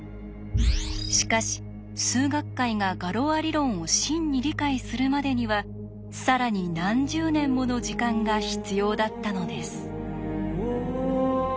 しかし数学界がガロア理論を真に理解するまでには更に何十年もの時間が必要だったのです。